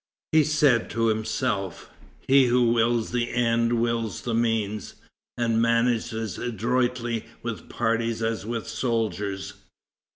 He said to himself: He who wills the end wills the means, and managed as adroitly with parties as with soldiers.